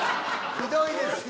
ひどいですよ。